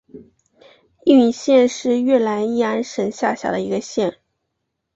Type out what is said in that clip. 义坛县是越南乂安省下辖的一个县。